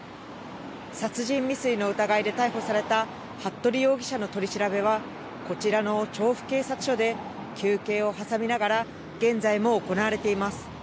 殺人未遂の疑いで逮捕された服部容疑者の取り調べは、こちらの調布警察署で休憩を挟みながら、現在も行われています。